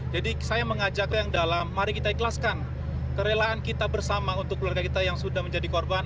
jadi saya mengajak yang dalam mari kita ikhlaskan kerelaan kita bersama untuk keluarga kita yang sudah menjadi korban